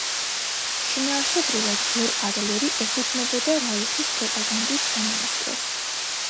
შინაარსობრივად „დერ ადლერი“ ეფუძნებოდა რაიხის პროპაგანდის სამინისტროს.